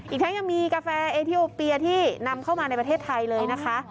อีกทั้งยังมีกาแฟเอทีโอเปียที่นำเข้ามาในประเทศไทยเลยนะคะ